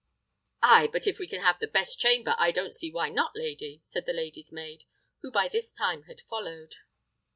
"Ay! but if we can have the best chamber, I don't see why not, lady," said the lady's maid, who by this time had followed.